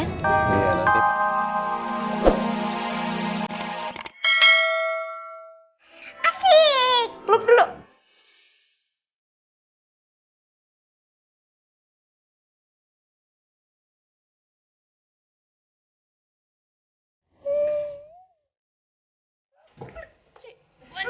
asik kluk dulu